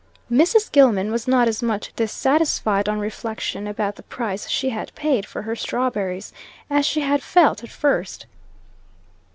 Mrs. Gilman was not as much dissatisfied, on reflection, about the price she had paid for her strawberries, as she had felt at first.